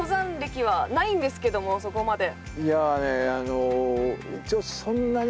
そこまで。